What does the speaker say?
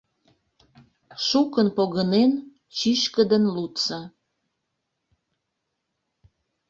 Шукын погынен, чӱчкыдын лудса.